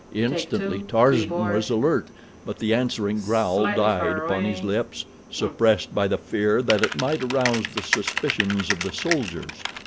Instantly Tarzan was alert, but the answering growl died upon his lips, suppressed by the fear that it might arouse the suspicions of the soldiers.